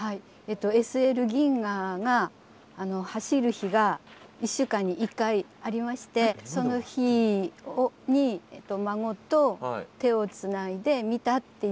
ＳＬ銀河が走る日が１週間に１回ありましてその日に孫と手をつないで見たっていう句です。